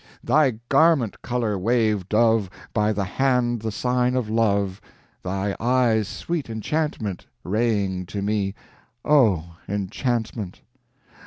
"Thy Garment color wave dove By thy hand the sign of love, Thy eyes sweet enchantment, Raying to me, oh! enchantment.